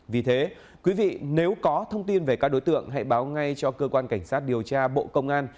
vì thế quý vị nếu có thông tin về các đối tượng hãy báo ngay cho cơ quan cảnh sát điều tra bộ công an